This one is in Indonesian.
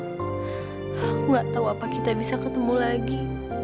aku gak tahu apa kita bisa ketemu lagi